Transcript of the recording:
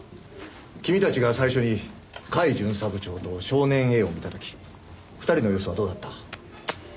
君たちが最初に甲斐巡査部長と少年Ａを見た時２人の様子はどうだった？